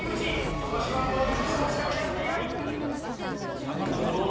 今年はもう優勝しか狙っていない！